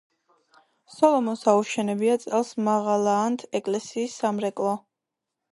სოლომონს აუშენებია წელს მაღალაანთ ეკლესიის სამრეკლო.